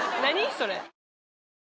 それ。